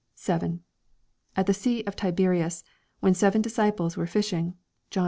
At the sea of Tiberias, when seven disciples were fishing. Johnxxi.